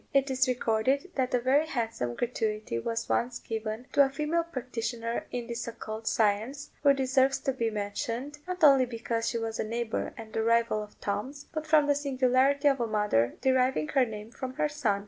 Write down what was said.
It is recorded that a very handsome gratuity was once given to a female practitioner in this occult science, who deserves to be mentioned, not only because she was a neighbour and a rival of Tom's, but from the singularity of a mother deriving her name from her son.